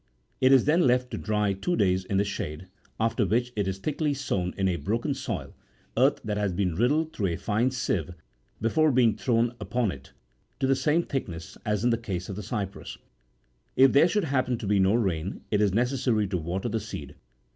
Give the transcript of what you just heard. It is then left to dry two days in the shade, after which it is thickly sown in a broken soil, earth that has been riddled through a fine sieve being thrown upon it, to the same thickness as in the case of the cypress.56 If there should happen to be no rain, it is necessary to water the seed.